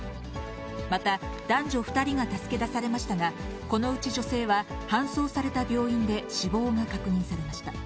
また、男女２人が助け出されましたが、このうち女性は搬送された病院で死亡が確認されました。